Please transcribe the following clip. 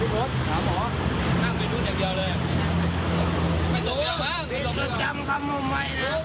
ก็แค่นั้นล่ะ